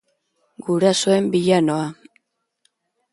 Gurasoen bila noa.